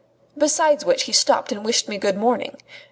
Besides which, he stopped and wished me good morning.